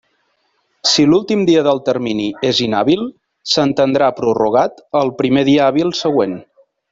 Si l'últim dia del termini és inhàbil, s'entendrà prorrogat al primer dia hàbil següent.